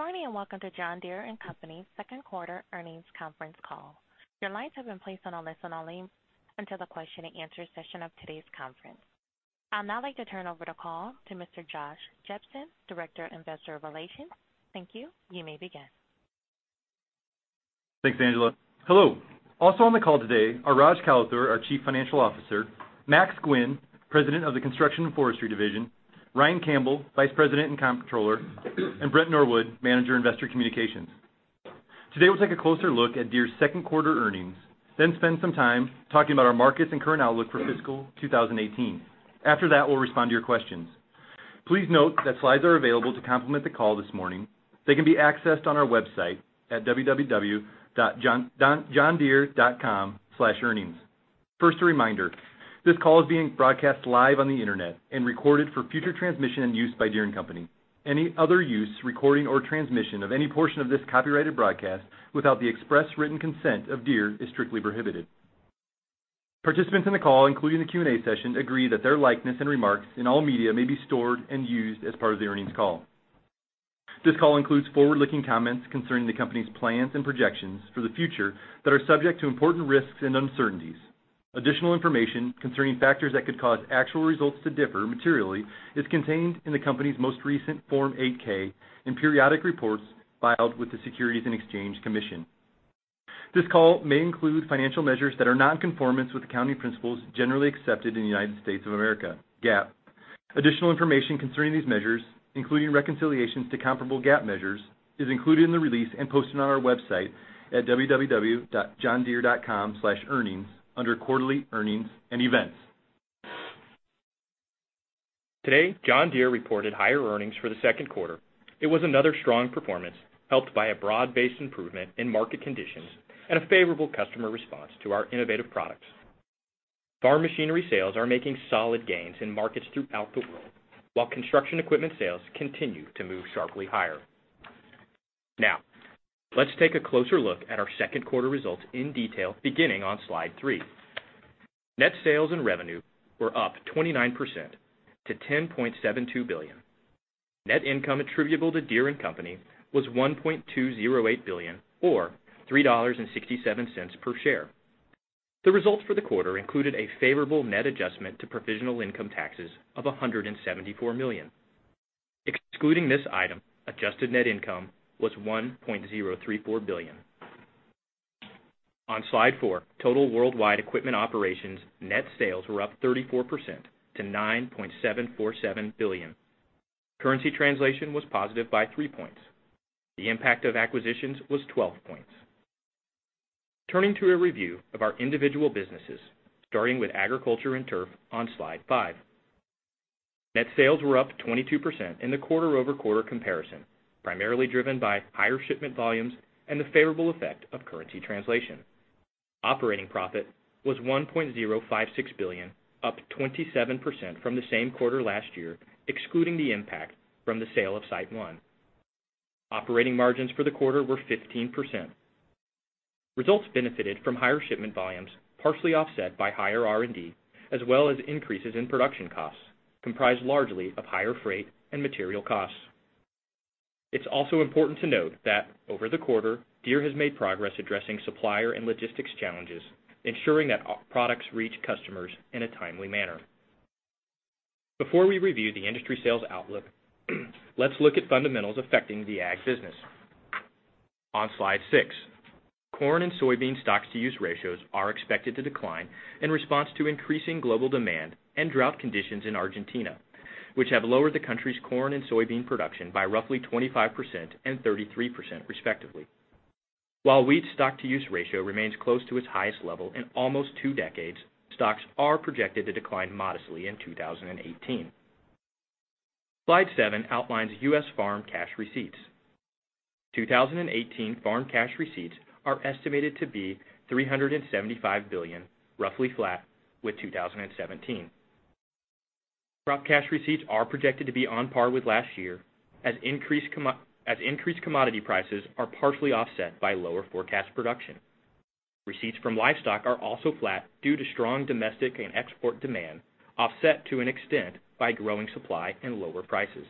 Good morning, welcome to John Deere & Company's second quarter earnings conference call. Your lines have been placed on a listen-only until the question and answer session of today's conference. I'll now like to turn over the call to Mr. Josh Jepsen, Director, Investor Relations. Thank you. You may begin. Thanks, Angela. Hello. Also on the call today are Raj Kalathur, our Chief Financial Officer, Max Guinn, President of the Construction & Forestry division, Ryan Campbell, Vice President and Comptroller, and Brent Norwood, Manager, Investor Communications. Today, we'll take a closer look at Deere's second quarter earnings, then spend some time talking about our markets and current outlook for fiscal 2018. After that, we'll respond to your questions. Please note that slides are available to complement the call this morning. They can be accessed on our website at www.johndeere.com/earnings. First, a reminder. This call is being broadcast live on the internet and recorded for future transmission and use by Deere & Company. Any other use, recording, or transmission of any portion of this copyrighted broadcast without the express written consent of Deere is strictly prohibited. Participants in the call, including the Q&A session, agree that their likeness and remarks in all media may be stored and used as part of the earnings call. This call includes forward-looking comments concerning the company's plans and projections for the future that are subject to important risks and uncertainties. Additional information concerning factors that could cause actual results to differ materially is contained in the company's most recent Form 8-K and periodic reports filed with the Securities and Exchange Commission. This call may include financial measures that are not in conformance with accounting principles generally accepted in the United States of America, GAAP. Additional information concerning these measures, including reconciliations to comparable GAAP measures, is included in the release and posted on our website at www.johndeere.com/earnings under Quarterly Earnings and Events. Today, John Deere reported higher earnings for the second quarter. It was another strong performance helped by a broad-based improvement in market conditions and a favorable customer response to our innovative products. Farm machinery sales are making solid gains in markets throughout the world, while construction equipment sales continue to move sharply higher. Let's take a closer look at our second quarter results in detail beginning on slide three. Net sales and revenue were up 29% to $10.72 billion. Net income attributable to Deere & Company was $1.208 billion or $3.67 per share. The results for the quarter included a favorable net adjustment to provisional income taxes of $174 million. Excluding this item, adjusted net income was $1.034 billion. On slide four, total worldwide equipment operations net sales were up 34% to $9.747 billion. Currency translation was positive by three points. The impact of acquisitions was 12 points. Turning to a review of our individual businesses, starting with Agriculture and Turf on slide five. Net sales were up 22% in the quarter-over-quarter comparison, primarily driven by higher shipment volumes and the favorable effect of currency translation. Operating profit was $1.056 billion, up 27% from the same quarter last year, excluding the impact from the sale of SiteOne. Operating margins for the quarter were 15%. Results benefited from higher shipment volumes, partially offset by higher R&D, as well as increases in production costs, comprised largely of higher freight and material costs. It is also important to note that over the quarter, Deere has made progress addressing supplier and logistics challenges, ensuring that products reach customers in a timely manner. Before we review the industry sales outlook, let us look at fundamentals affecting the Ag business. On slide six, corn and soybean stocks-to-use ratios are expected to decline in response to increasing global demand and drought conditions in Argentina, which have lowered the country's corn and soybean production by roughly 25% and 33%, respectively. While wheat stocks-to-use ratio remains close to its highest level in almost two decades, stocks are projected to decline modestly in 2018. Slide seven outlines U.S. farm cash receipts. 2018 farm cash receipts are estimated to be $375 billion, roughly flat with 2017. Crop cash receipts are projected to be on par with last year, as increased commodity prices are partially offset by lower forecast production. Receipts from livestock are also flat due to strong domestic and export demand, offset to an extent by growing supply and lower prices.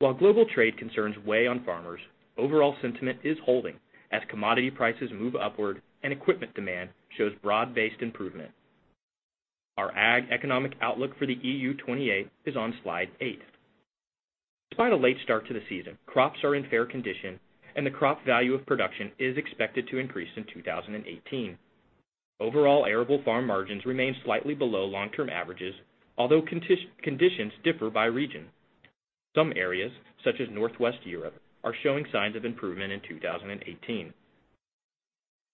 While global trade concerns weigh on farmers, overall sentiment is holding as commodity prices move upward and equipment demand shows broad-based improvement. Our Ag economic outlook for the EU28 is on slide eight. Despite a late start to the season, crops are in fair condition, and the crop value of production is expected to increase in 2018. Overall arable farm margins remain slightly below long-term averages, although conditions differ by region. Some areas, such as Northwest Europe, are showing signs of improvement in 2018.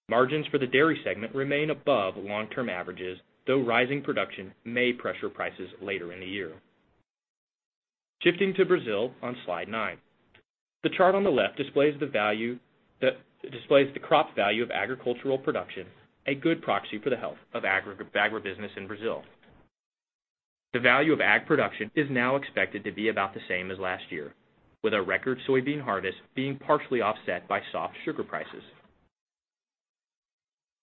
Margins for the dairy segment remain above long-term averages, though rising production may pressure prices later in the year. Shifting to Brazil on slide nine. The chart on the left displays the crop value of agricultural production, a good proxy for the health of agribusiness in Brazil. The value of Ag production is now expected to be about the same as last year, with a record soybean harvest being partially offset by soft sugar prices.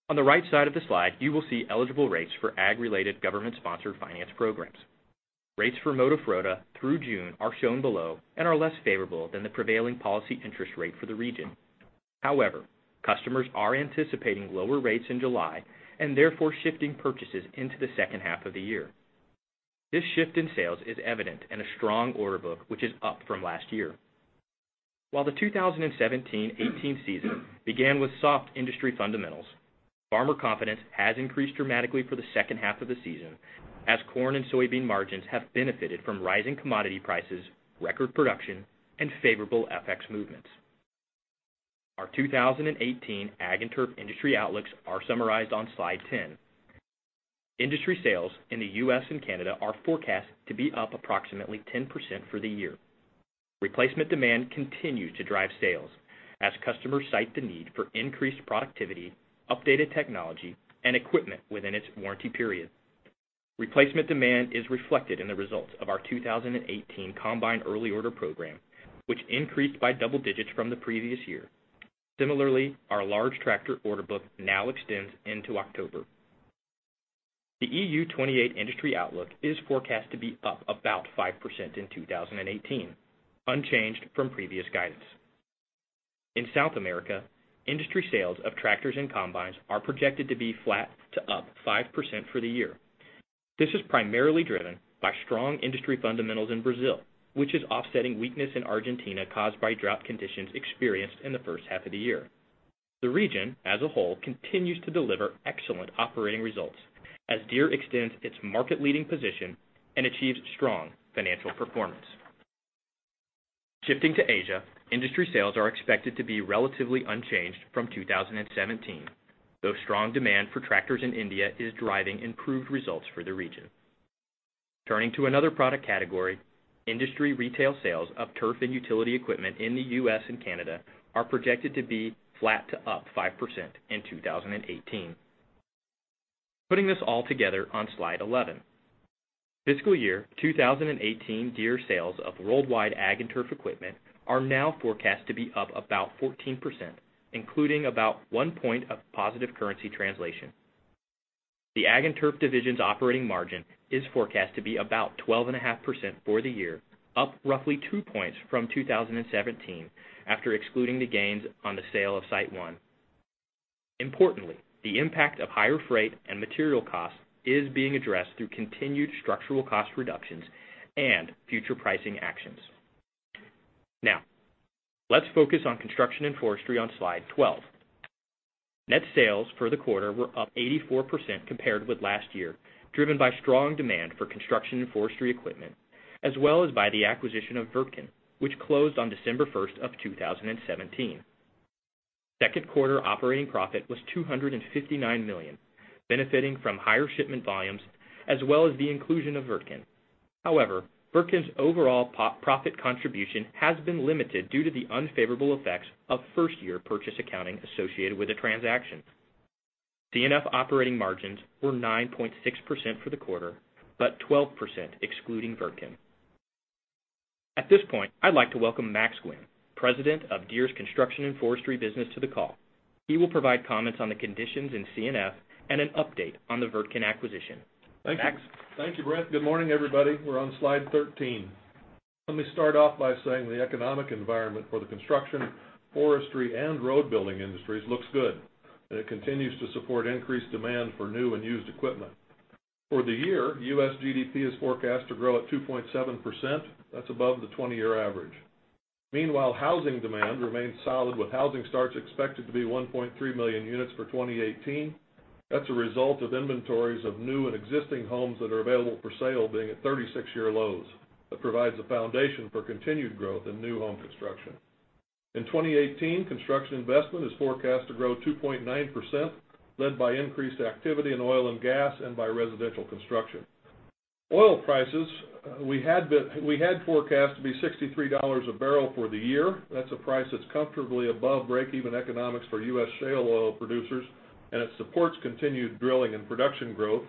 On the right side of the slide, you will see eligible rates for ag-related government-sponsored finance programs. Rates for Moderfrota through June are shown below and are less favorable than the prevailing policy interest rate for the region. However, customers are anticipating lower rates in July and therefore shifting purchases into the second half of the year. This shift in sales is evident in a strong order book, which is up from last year. While the 2017-2018 season began with soft industry fundamentals, farmer confidence has increased dramatically for the second half of the season as corn and soybean margins have benefited from rising commodity prices, record production, and favorable FX movements. Our 2018 ag and turf industry outlooks are summarized on slide 10. Industry sales in the U.S. and Canada are forecast to be up approximately 10% for the year. Replacement demand continues to drive sales as customers cite the need for increased productivity, updated technology, and equipment within its warranty period. Replacement demand is reflected in the results of our 2018 Combine Early Order program, which increased by double digits from the previous year. Similarly, our large tractor order book now extends into October. The EU28 industry outlook is forecast to be up about 5% in 2018, unchanged from previous guidance. In South America, industry sales of tractors and combines are projected to be flat to up 5% for the year. This is primarily driven by strong industry fundamentals in Brazil, which is offsetting weakness in Argentina caused by drought conditions experienced in the first half of the year. The region, as a whole, continues to deliver excellent operating results as Deere extends its market-leading position and achieves strong financial performance. Shifting to Asia, industry sales are expected to be relatively unchanged from 2017, though strong demand for tractors in India is driving improved results for the region. Turning to another product category, industry retail sales of turf and utility equipment in the U.S. and Canada are projected to be flat to up 5% in 2018. Putting this all together on slide 11. Fiscal year 2018 Deere sales of worldwide Ag and Turf equipment are now forecast to be up about 14%, including about one point of positive currency translation. The Ag and Turf Division's operating margin is forecast to be about 12.5% for the year, up roughly two points from 2017 after excluding the gains on the sale of SiteOne. Importantly, the impact of higher freight and material costs is being addressed through continued structural cost reductions and future pricing actions. Now, let's focus on Construction and Forestry on slide 12. Net sales for the quarter were up 84% compared with last year, driven by strong demand for construction and forestry equipment, as well as by the acquisition of Wirtgen, which closed on December 1st of 2017. Second quarter operating profit was $259 million, benefiting from higher shipment volumes, as well as the inclusion of Wirtgen. However, Wirtgen's overall profit contribution has been limited due to the unfavorable effects of first-year purchase accounting associated with the transaction. C&F operating margins were 9.6% for the quarter, but 12% excluding Wirtgen. At this point, I'd like to welcome Max Guinn, President of Deere's Construction and Forestry business, to the call. He will provide comments on the conditions in C&F and an update on the Wirtgen acquisition. Max? Thank you, Brent. Good morning, everybody. We're on slide 13. Let me start off by saying the economic environment for the construction, forestry, and road-building industries looks good. It continues to support increased demand for new and used equipment. For the year, U.S. GDP is forecast to grow at 2.7%. That's above the 20-year average. Meanwhile, housing demand remains solid with housing starts expected to be 1.3 million units for 2018. That's a result of inventories of new and existing homes that are available for sale being at 36-year lows. That provides a foundation for continued growth in new home construction. In 2018, construction investment is forecast to grow 2.9%, led by increased activity in oil and gas and by residential construction. Oil prices, we had forecast to be $63 a barrel for the year. That's a price that's comfortably above break-even economics for U.S. shale oil producers. It supports continued drilling and production growth.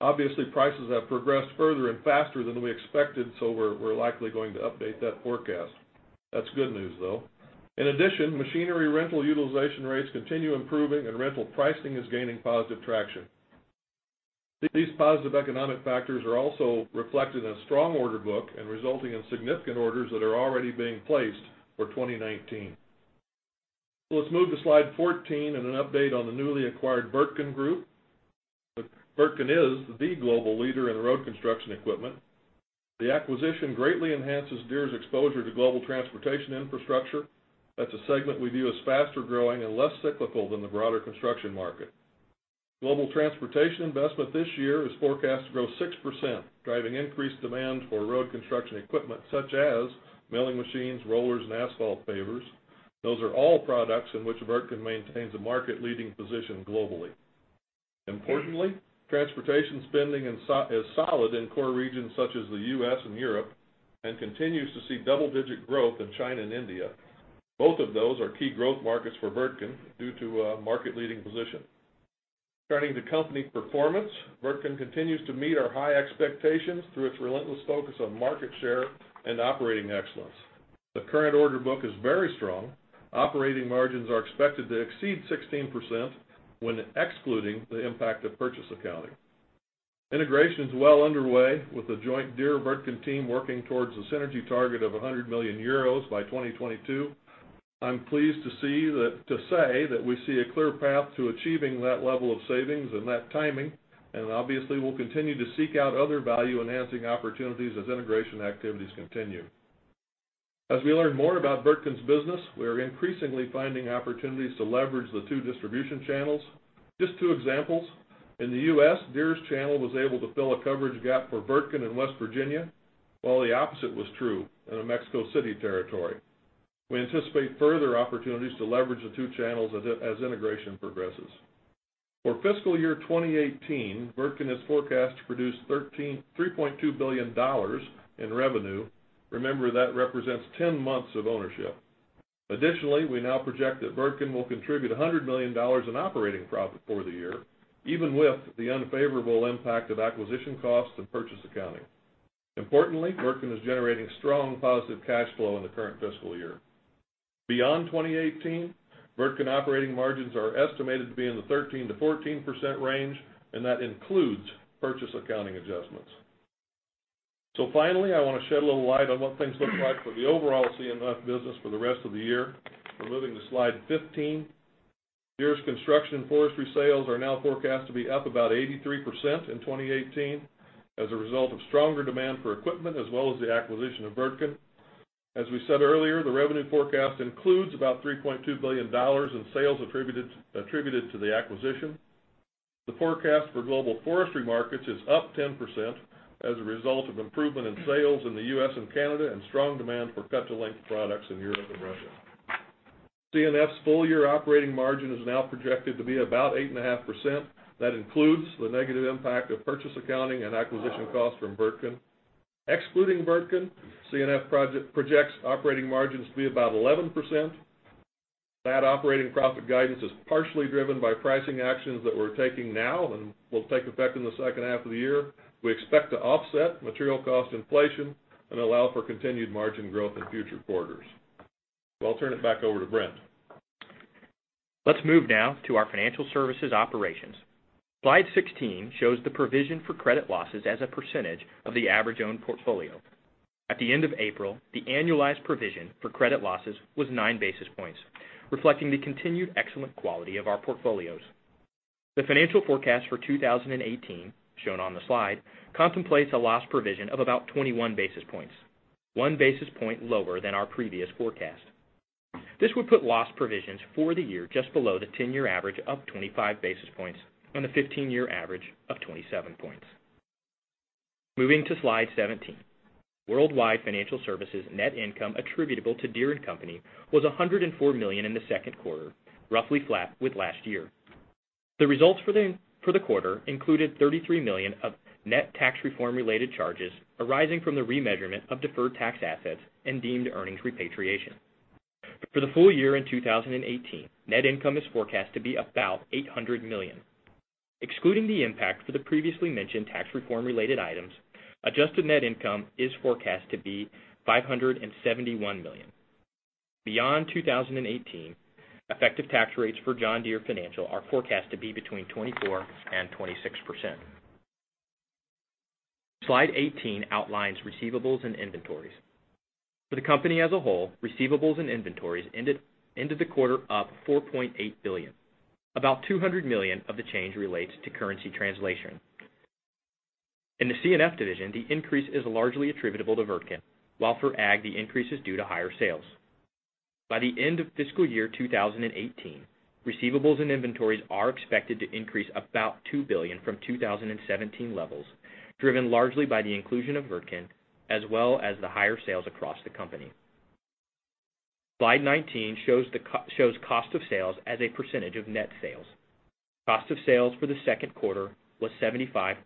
Obviously, prices have progressed further and faster than we expected. We're likely going to update that forecast. That's good news, though. In addition, machinery rental utilization rates continue improving and rental pricing is gaining positive traction. These positive economic factors are also reflected in a strong order book and resulting in significant orders that are already being placed for 2019. Let's move to slide 14 and an update on the newly acquired Wirtgen Group. Wirtgen is the global leader in road construction equipment. The acquisition greatly enhances Deere's exposure to global transportation infrastructure. That's a segment we view as faster-growing and less cyclical than the broader construction market. Global transportation investment this year is forecast to grow 6%, driving increased demand for road construction equipment such as milling machines, rollers, and asphalt pavers. Those are all products in which Wirtgen maintains a market-leading position globally. Importantly, transportation spending is solid in core regions such as the U.S. and Europe and continues to see double-digit growth in China and India. Both of those are key growth markets for Wirtgen due to a market-leading position. Turning to company performance, Wirtgen continues to meet our high expectations through its relentless focus on market share and operating excellence. The current order book is very strong. Operating margins are expected to exceed 16% when excluding the impact of purchase accounting. Integration is well underway, with the joint Deere-Wirtgen team working towards a synergy target of 100 million euros by 2022. I'm pleased to say that we see a clear path to achieving that level of savings and that timing. Obviously, we'll continue to seek out other value-enhancing opportunities as integration activities continue. As we learn more about Wirtgen's business, we are increasingly finding opportunities to leverage the two distribution channels. Just two examples. In the U.S., Deere's channel was able to fill a coverage gap for Wirtgen in West Virginia, while the opposite was true in the Mexico City territory. We anticipate further opportunities to leverage the two channels as integration progresses. For fiscal year 2018, Wirtgen is forecast to produce $3.2 billion in revenue. Remember, that represents 10 months of ownership. Additionally, we now project that Wirtgen will contribute $100 million in operating profit for the year, even with the unfavorable impact of acquisition costs and purchase accounting. Importantly, Wirtgen is generating strong positive cash flow in the current fiscal year. Beyond 2018, Wirtgen operating margins are estimated to be in the 13%-14% range, and that includes purchase accounting adjustments. Finally, I want to shed a little light on what things look like for the overall CNF business for the rest of the year. We're moving to slide 15. Deere's construction forestry sales are now forecast to be up about 83% in 2018 as a result of stronger demand for equipment, as well as the acquisition of Wirtgen. As we said earlier, the revenue forecast includes about $3.2 billion in sales attributed to the acquisition. The forecast for global forestry markets is up 10% as a result of improvement in sales in the U.S. and Canada and strong demand for cut-to-length products in Europe and Russia. CNF's full-year operating margin is now projected to be about 8.5%. That includes the negative impact of purchase accounting and acquisition costs from Wirtgen. Excluding Wirtgen, CNF projects operating margins to be about 11%. That operating profit guidance is partially driven by pricing actions that we're taking now and will take effect in the second half of the year. We expect to offset material cost inflation and allow for continued margin growth in future quarters. I'll turn it back over to Brent. Let's move now to our financial services operations. Slide 16 shows the provision for credit losses as a percentage of the average own portfolio. At the end of April, the annualized provision for credit losses was nine basis points, reflecting the continued excellent quality of our portfolios. The financial forecast for 2018, shown on the slide, contemplates a loss provision of about 21 basis points, one basis point lower than our previous forecast. This would put loss provisions for the year just below the 10-year average of 25 basis points on the 15-year average of 27 points. Moving to slide 17. Worldwide financial services net income attributable to Deere & Company was $104 million in the second quarter, roughly flat with last year. The results for the quarter included $33 million of net tax reform related charges arising from the remeasurement of deferred tax assets and deemed earnings repatriation. For the full year in 2018, net income is forecast to be about $800 million. Excluding the impact for the previously mentioned tax reform related items, adjusted net income is forecast to be $571 million. Beyond 2018, effective tax rates for John Deere Financial are forecast to be between 24%-26%. Slide 18 outlines receivables and inventories. For the company as a whole, receivables and inventories ended the quarter up $4.8 billion. About $200 million of the change relates to currency translation. In the CNF division, the increase is largely attributable to Wirtgen, while for Ag, the increase is due to higher sales. By the end of fiscal year 2018, receivables and inventories are expected to increase about $2 billion from 2017 levels, driven largely by the inclusion of Wirtgen, as well as the higher sales across the company. Slide 19 shows cost of sales as a percentage of net sales. Cost of sales for the second quarter was 75.2%.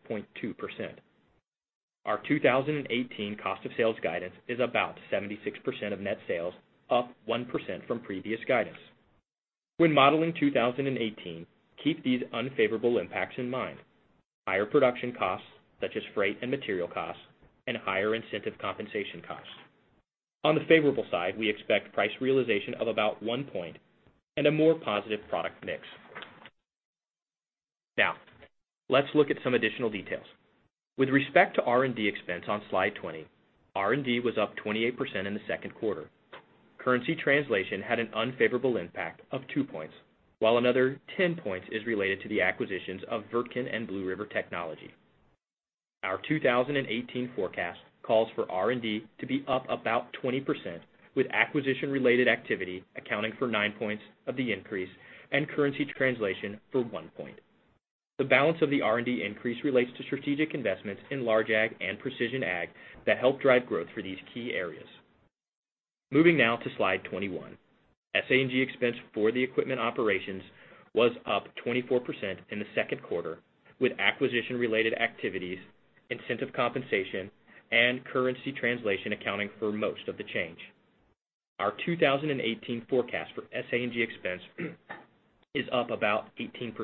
Our 2018 cost of sales guidance is about 76% of net sales, up 1% from previous guidance. When modeling 2018, keep these unfavorable impacts in mind: higher production costs, such as freight and material costs, and higher incentive compensation costs. On the favorable side, we expect price realization of about one point and a more positive product mix. Now, let's look at some additional details. With respect to R&D expense on Slide 20, R&D was up 28% in the second quarter. Currency translation had an unfavorable impact of two points, while another 10 points is related to the acquisitions of Wirtgen and Blue River Technology. Our 2018 forecast calls for R&D to be up about 20%, with acquisition-related activity accounting for nine points of the increase and currency translation for one point. The balance of the R&D increase relates to strategic investments in large ag and precision ag that help drive growth for these key areas. Moving now to Slide 21. S, A, and G expense for the equipment operations was up 24% in the second quarter, with acquisition-related activities, incentive compensation, and currency translation accounting for most of the change. Our 2018 forecast for S, A, and G expense is up about 18%.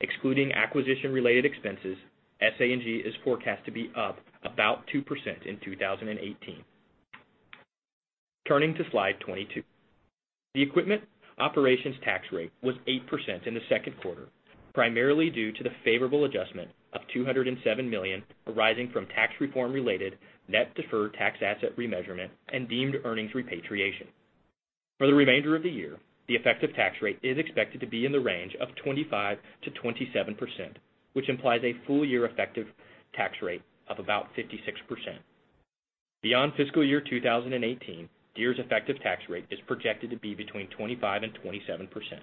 Excluding acquisition-related expenses, SA&G is forecast to be up about 2% in 2018. Turning to Slide 22. The equipment operations tax rate was 8% in the second quarter, primarily due to the favorable adjustment of $207 million arising from tax reform-related net deferred tax asset remeasurement and deemed earnings repatriation. For the remainder of the year, the effective tax rate is expected to be in the range of 25%-27%, which implies a full-year effective tax rate of about 56%. Beyond fiscal year 2018, Deere's effective tax rate is projected to be between 25% and 27%.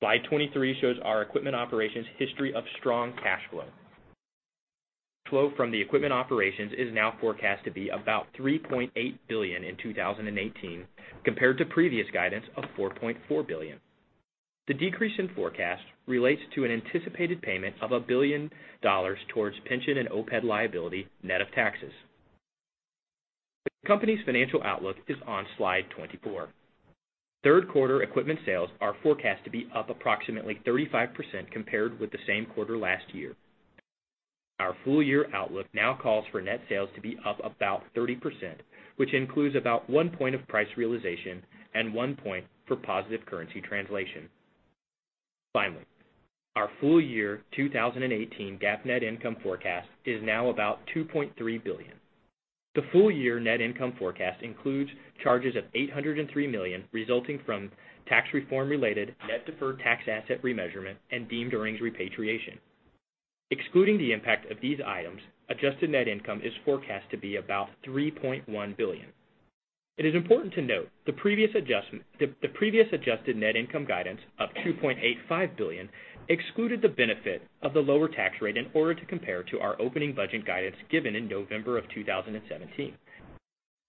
Slide 23 shows our equipment operations history of strong cash flow. Flow from the equipment operations is now forecast to be about $3.8 billion in 2018, compared to previous guidance of $4.4 billion. The decrease in forecast relates to an anticipated payment of $1 billion towards pension and OPEB liability, net of taxes. The company's financial outlook is on Slide 24. Third quarter equipment sales are forecast to be up approximately 35% compared with the same quarter last year. Our full-year outlook now calls for net sales to be up about 30%, which includes about one point of price realization and one point for positive currency translation. Finally, our full year 2018 GAAP net income forecast is now about $2.3 billion. The full-year net income forecast includes charges of $803 million, resulting from tax reform-related net deferred tax asset remeasurement, and deemed earnings repatriation. Excluding the impact of these items, adjusted net income is forecast to be about $3.1 billion. It is important to note, the previous adjusted net income guidance of $2.85 billion excluded the benefit of the lower tax rate in order to compare to our opening budget guidance given in November of 2017.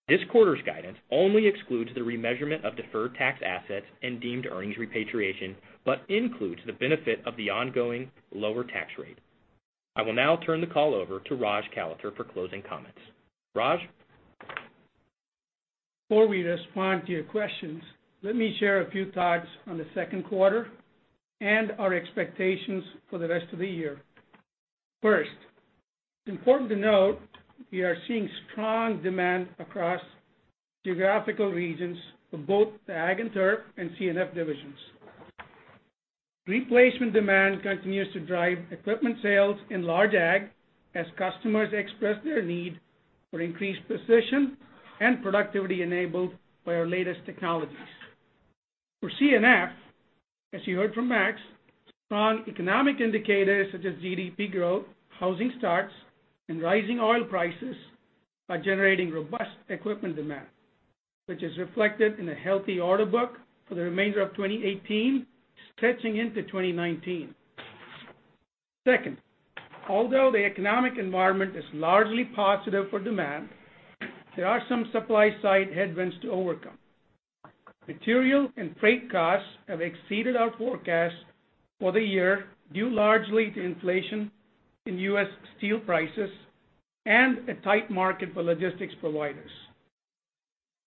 This quarter's guidance only excludes the remeasurement of deferred tax assets and deemed earnings repatriation but includes the benefit of the ongoing lower tax rate. I will now turn the call over to Raj Kalathur for closing comments. Raj? Before we respond to your questions, let me share a few thoughts on the second quarter and our expectations for the rest of the year. First, it is important to note we are seeing strong demand across geographical regions for both the Ag & Turf and C&F divisions. Replacement demand continues to drive equipment sales in large Ag as customers express their need for increased precision and productivity enabled by our latest technologies. For C&F, as you heard from Max, strong economic indicators such as GDP growth, housing starts, and rising oil prices are generating robust equipment demand, which is reflected in a healthy order book for the remainder of 2018, stretching into 2019. Second, although the economic environment is largely positive for demand, there are some supply-side headwinds to overcome. Material and freight costs have exceeded our forecast for the year, due largely to inflation in U.S. steel prices and a tight market for logistics providers.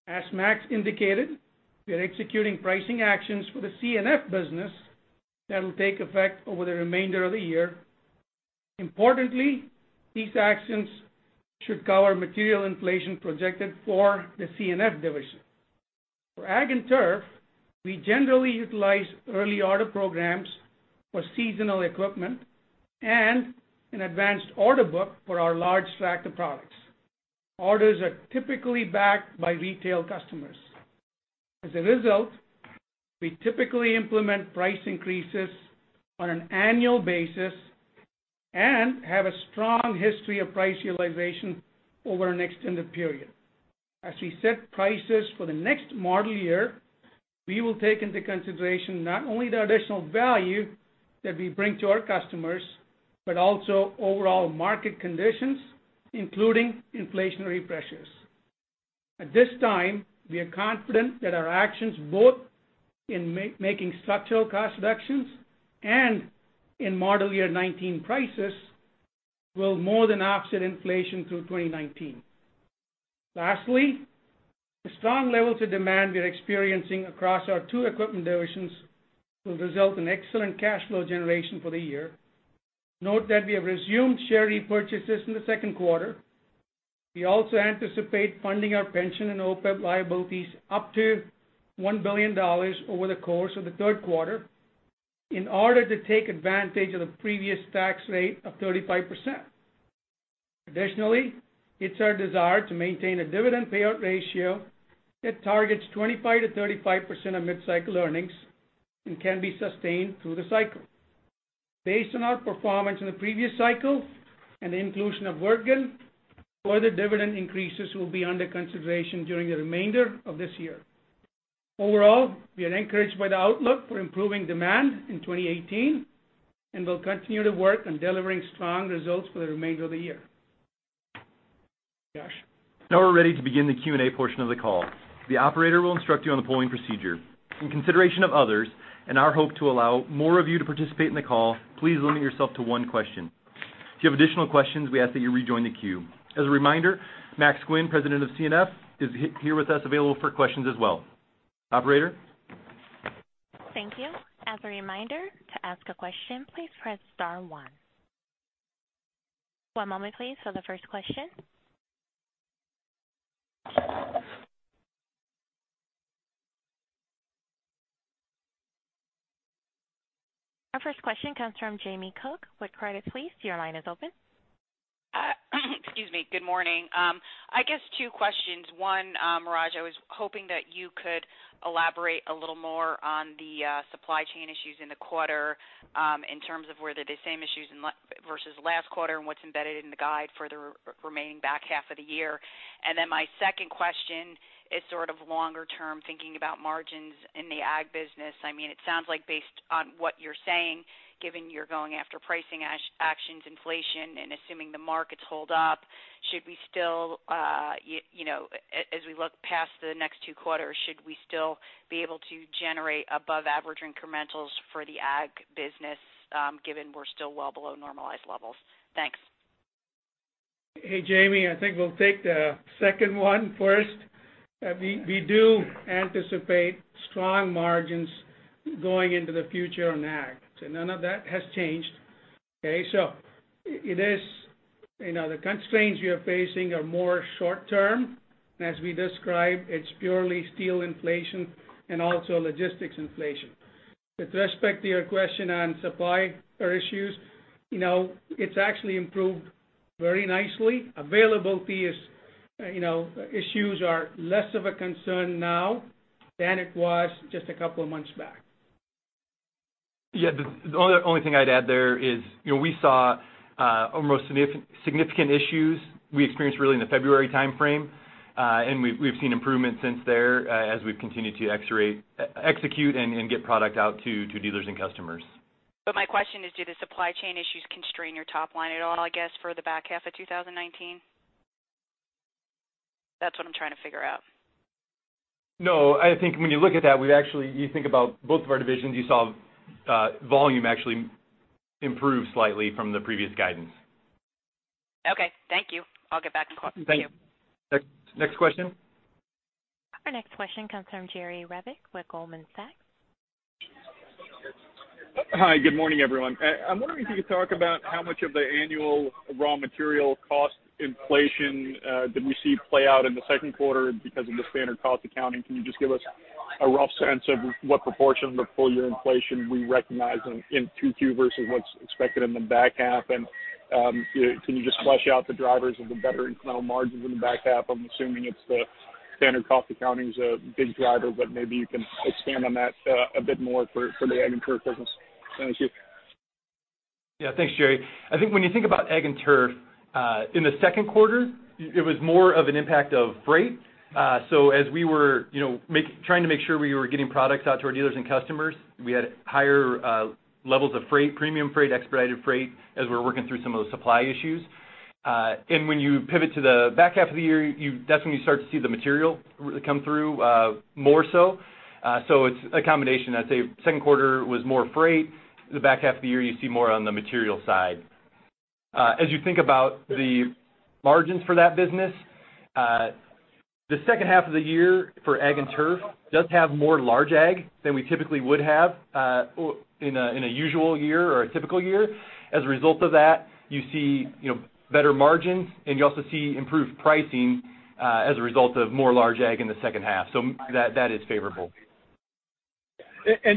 As Max indicated, we are executing pricing actions for the C&F business that will take effect over the remainder of the year. Importantly, these actions should cover material inflation projected for the C&F division. For Ag and Turf, we generally utilize early order programs for seasonal equipment and an advanced order book for our large tractor products. Orders are typically backed by retail customers. As a result, we typically implement price increases on an annual basis and have a strong history of price realization over an extended period. As we set prices for the next model year, we will take into consideration not only the additional value that we bring to our customers, but also overall market conditions, including inflationary pressures. At this time, we are confident that our actions, both in making structural cost reductions and in model year 2019 prices, will more than offset inflation through 2019. Lastly, the strong levels of demand we are experiencing across our two equipment divisions will result in excellent cash flow generation for the year. Note that we have resumed share repurchases in the second quarter. We also anticipate funding our pension and OPEB liabilities up to $1 billion over the course of the third quarter in order to take advantage of the previous tax rate of 35%. Additionally, it is our desire to maintain a dividend payout ratio that targets 25%-35% of mid-cycle earnings and can be sustained through the cycle. Based on our performance in the previous cycle and the inclusion of Wirtgen, further dividend increases will be under consideration during the remainder of this year. Overall, we are encouraged by the outlook for improving demand in 2018, and we'll continue to work on delivering strong results for the remainder of the year. Josh? Now we're ready to begin the Q&A portion of the call. The operator will instruct you on the polling procedure. In consideration of others and our hope to allow more of you to participate in the call, please limit yourself to one question. If you have additional questions, we ask that you rejoin the queue. As a reminder, Max Guinn, President of CNF, is here with us available for questions as well. Operator? Thank you. As a reminder, to ask a question, please press star one. One moment please for the first question. Our first question comes from Jamie Cook with Credit Suisse. Your line is open. Excuse me. Good morning. I guess two questions. One, Raj, I was hoping that you could elaborate a little more on the supply chain issues in the quarter in terms of were they the same issues versus last quarter, and what's embedded in the guide for the remaining back half of the year. My second question is sort of longer term, thinking about margins in the ag business. It sounds like based on what you're saying, given you're going after pricing actions, inflation, and assuming the markets hold up, as we look past the next two quarters, should we still be able to generate above average incrementals for the ag business, given we're still well below normalized levels? Thanks. Hey, Jamie. I think we'll take the second one first. We do anticipate strong margins going into the future on ag. None of that has changed. Okay. The constraints we are facing are more short-term. As we described, it's purely steel inflation and also logistics inflation. With respect to your question on supply issues, it's actually improved very nicely. Availability issues are less of a concern now than it was just a couple of months back. Yeah. The only thing I'd add there is, we saw our most significant issues we experienced really in the February timeframe. We've seen improvement since then, as we've continued to execute and get product out to dealers and customers. My question is, do the supply chain issues constrain your top line at all, I guess, for the back half of 2019? That's what I'm trying to figure out. No, I think when you look at that, you think about both of our divisions, you saw volume actually improve slightly from the previous guidance. Okay. Thank you. I'll get back in queue. Thank you. Next question. Our next question comes from Jerry Revich with Goldman Sachs. Hi. Good morning, everyone. I'm wondering if you could talk about how much of the annual raw material cost inflation that we see play out in the second quarter because of the standard cost accounting. Can you just give us a rough sense of what proportion of the full year inflation we recognize in Q2 versus what's expected in the back half? Can you just flesh out the drivers of the better incremental margins in the back half? I'm assuming the standard cost accounting is a big driver, but maybe you can expand on that a bit more for the Ag and Turf business. Thank you. Yeah. Thanks, Jerry. I think when you think about Ag and Turf, in the second quarter, it was more of an impact of freight. As we were trying to make sure we were getting products out to our dealers and customers, we had higher levels of freight, premium freight, expedited freight, as we were working through some of those supply issues. When you pivot to the back half of the year, that's when you start to see the material come through more so. It's a combination. I'd say second quarter was more freight. The back half of the year, you see more on the material side. As you think about the margins for that business, the second half of the year for Ag and Turf does have more large ag than we typically would have in a usual year or a typical year. As a result of that, you see better margins and you also see improved pricing as a result of more large ag in the second half. That is favorable.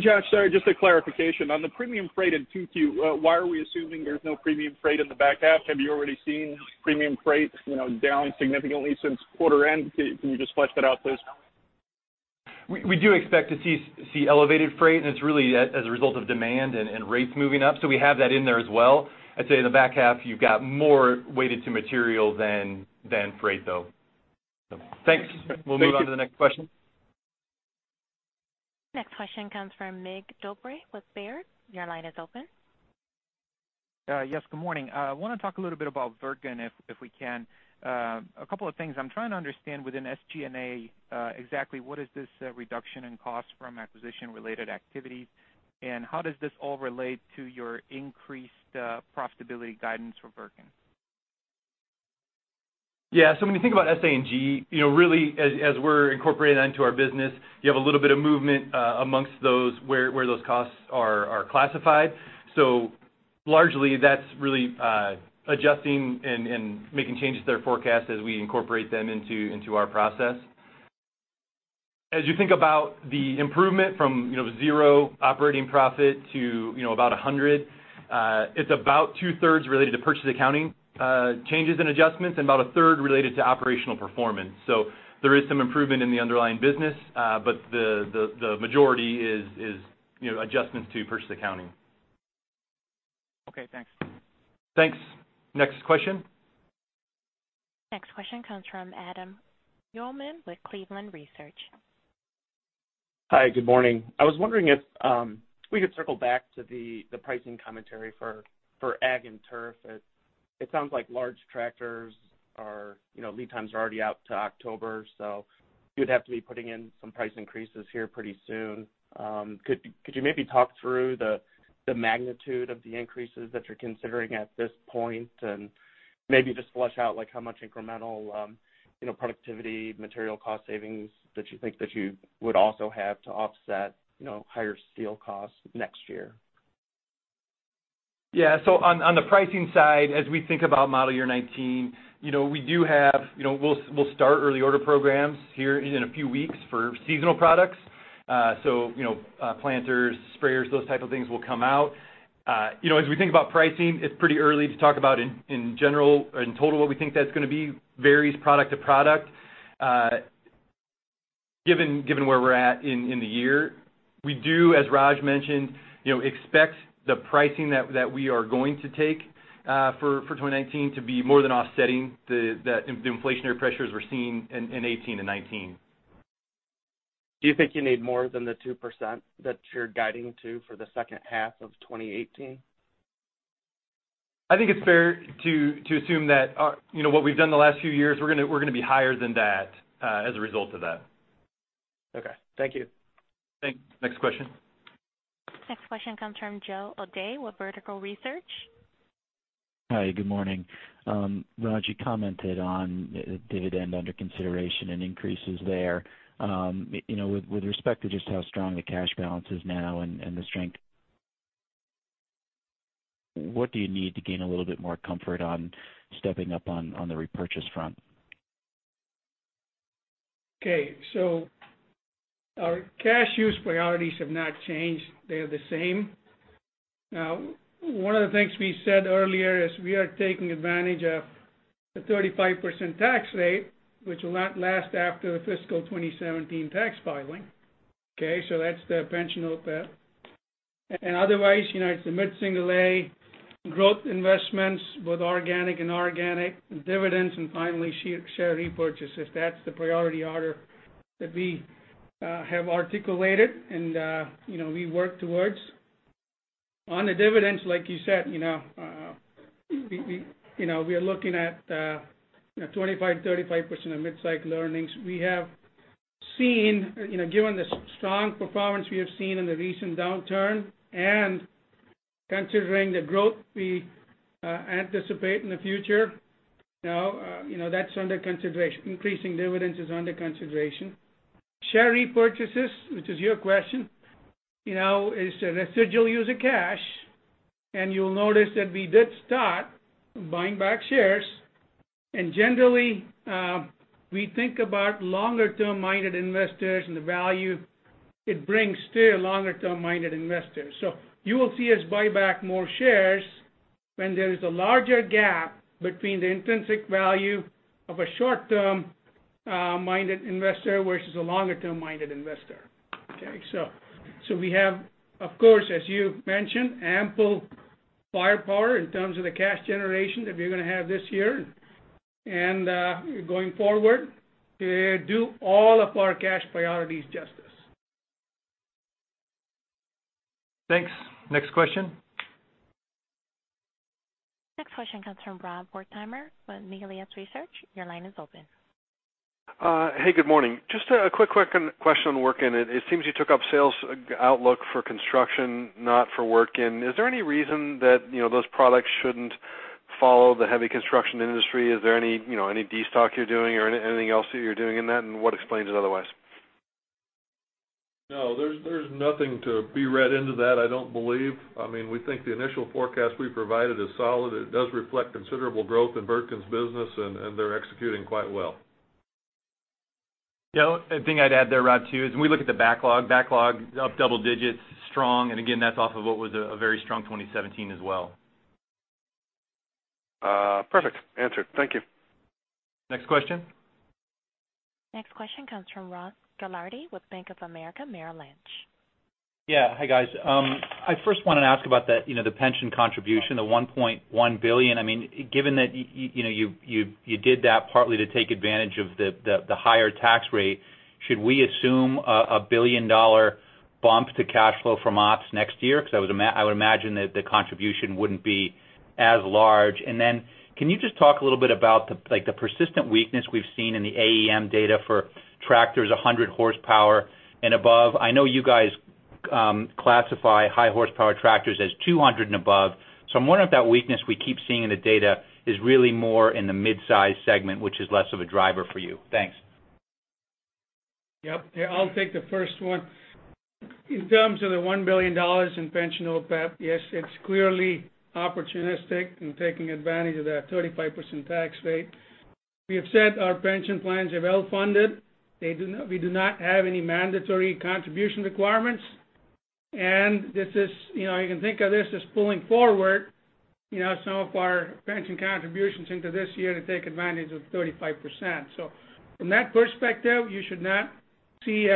Josh, sorry, just a clarification. On the premium freight in Q2, why are we assuming there's no premium freight in the back half? Have you already seen premium freight down significantly since quarter end? Can you just flesh that out please? We do expect to see elevated freight, and it's really as a result of demand and rates moving up. We have that in there as well. I'd say in the back half, you've got more weighted to material than freight, though. Thanks. We'll move on to the next question. Next question comes from Mig Dobre with Baird. Your line is open. Yes, good morning. I want to talk a little bit about Wirtgen, if we can. A couple of things I'm trying to understand within SG&A, exactly what is this reduction in cost from acquisition-related activities, and how does this all relate to your increased profitability guidance for Wirtgen? Yeah. When you think about SA&G, really as we're incorporating that into our business, you have a little bit of movement amongst those where those costs are classified. Largely, that's really adjusting and making changes to their forecast as we incorporate them into our process. As you think about the improvement from zero operating profit to about $100, it's about two-thirds related to purchase accounting changes and adjustments, and about a third related to operational performance. There is some improvement in the underlying business, but the majority is adjustments to purchase accounting. Okay, thanks. Thanks. Next question. Next question comes from Adam Uhlman with Cleveland Research Company. Hi, good morning. I was wondering if we could circle back to the pricing commentary for Ag and Turf. It sounds like large tractors, lead times are already out to October, so you'd have to be putting in some price increases here pretty soon. Could you maybe talk through the magnitude of the increases that you're considering at this point, and maybe just flesh out how much incremental productivity, material cost savings that you think that you would also have to offset higher steel costs next year? On the pricing side, as we think about model year 2019, we'll start Early Order programs here in a few weeks for seasonal products. Planters, sprayers, those type of things will come out. As we think about pricing, it's pretty early to talk about in general, in total what we think that's going to be. Varies product to product. Given where we're at in the year, we do, as Raj mentioned, expect the pricing that we are going to take for 2019 to be more than offsetting the inflationary pressures we're seeing in 2018 and 2019. Do you think you need more than the 2% that you're guiding to for the second half of 2018? I think it's fair to assume that what we've done the last few years, we're going to be higher than that as a result of that. Okay. Thank you. Thanks. Next question. Next question comes from Joe O'Dea with Vertical Research. Hi, good morning. Raj, you commented on the dividend under consideration and increases there. With respect to just how strong the cash balance is now and the strength, what do you need to gain a little bit more comfort on stepping up on the repurchase front? Our cash use priorities have not changed. They are the same. One of the things we said earlier is we are taking advantage of the 35% tax rate, which will not last after the fiscal 2017 tax filing. That's the pension OPEB. Otherwise, it's the mid-single A growth investments, both organic and inorganic, dividends, and finally, share repurchases. That's the priority order that we have articulated and we work towards. On the dividends, like you said, we are looking at 25%-35% of mid-cycle earnings. Given the strong performance we have seen in the recent downturn and considering the growth we anticipate in the future, that's under consideration. Increasing dividends is under consideration. Share repurchases, which is your question, is the residual use of cash. You'll notice that we did start buying back shares. Generally, we think about longer-term-minded investors and the value it brings to longer-term-minded investors. You will see us buy back more shares when there is a larger gap between the intrinsic value of a short-term-minded investor versus a longer-term-minded investor. We have, of course, as you mentioned, ample firepower in terms of the cash generation that we're going to have this year and going forward to do all of our cash priorities justice. Thanks. Next question. Next question comes from Rob Wertheimer with Melius Research. Your line is open. Hey, good morning. Just a quick question on Wirtgen Group. It seems you took up sales outlook for construction, not for Wirtgen Group. Is there any reason that those products shouldn't follow the heavy construction industry? Is there any destock you're doing or anything else that you're doing in that? What explains it otherwise? No, there's nothing to be read into that, I don't believe. We think the initial forecast we provided is solid. It does reflect considerable growth in Wirtgen Group's business. They're executing quite well. Yeah. The thing I'd add there, Rob, too, is when we look at the backlog up double digits strong. Again, that's off of what was a very strong 2017 as well. Perfect answer. Thank you. Next question. Next question comes from Ross Gilardi with Bank of America Merrill Lynch. Yeah. Hi, guys. I first want to ask about the pension contribution, the $1.1 billion. I would imagine that the contribution wouldn't be as large. Then can you just talk a little bit about the persistent weakness we've seen in the AEM data for tractors 100 horsepower and above? I know you guys classify high horsepower tractors as 200 and above. So I'm wondering if that weakness we keep seeing in the data is really more in the midsize segment, which is less of a driver for you. Thanks. Yep. I'll take the first one. In terms of the $1 billion in pension OPEB, yes, it's clearly opportunistic in taking advantage of that 35% tax rate. We have said our pension plans are well-funded. We do not have any mandatory contribution requirements. You can think of this as pulling forward some of our pension contributions into this year to take advantage of 35%. From that perspective, you should not see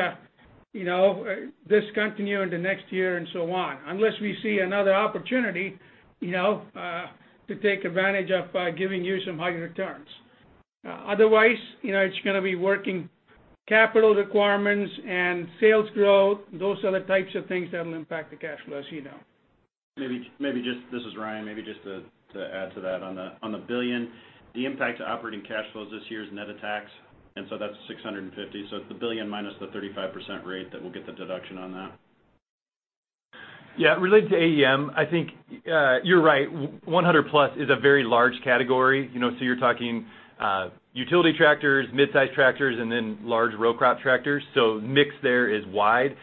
this continue into next year and so on, unless we see another opportunity to take advantage of by giving you some higher returns. Otherwise, it's going to be working capital requirements and sales growth. Those are the types of things that'll impact the cash flows. This is Ryan. Maybe just to add to that on the billion. The impact to operating cash flows this year is net of tax, that's $650. It's the billion minus the 35% rate that we'll get the deduction on that. Yeah. Related to AEM, I think you're right. 100-plus is a very large category. You're talking utility tractors, mid-size tractors, and then large row crop tractors. Mix there is wide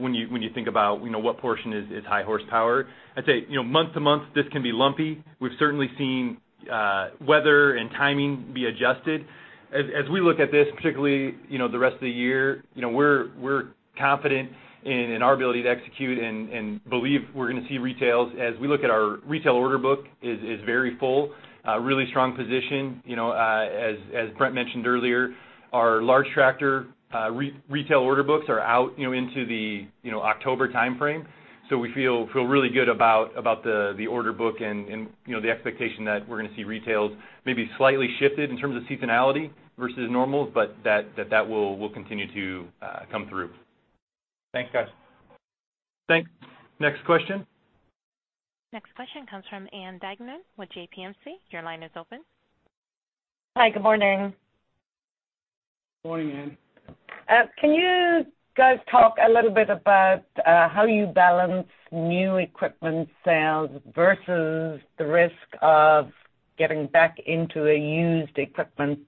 when you think about what portion is high horsepower. I'd say, month to month, this can be lumpy. We've certainly seen weather and timing be adjusted. As we look at this, particularly the rest of the year, we're confident in our ability to execute and believe we're going to see retails. As we look at our retail order book is very full. A really strong position. As Brent mentioned earlier, our large tractor retail order books are out into the October timeframe. We feel really good about the order book and the expectation that we're going to see retails maybe slightly shifted in terms of seasonality versus normal, but that will continue to come through. Thanks, guys. Thanks. Next question. Next question comes from Ann Duignan with J.P. Morgan. Your line is open. Hi. Good morning. Good morning, Ann. Can you guys talk a little bit about how you balance new equipment sales versus the risk of getting back into a used equipment